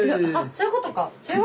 そういうことか！